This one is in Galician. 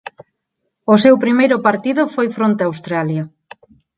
O seu primeiro partido foi fronte Australia.